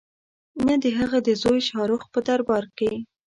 نه د هغه د زوی شاه رخ په دربار کې.